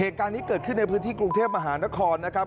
เหตุการณ์นี้เกิดขึ้นในพื้นที่กรุงเทพมหานครนะครับ